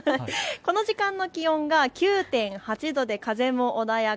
この時間の気温が９．８度で風も穏やか。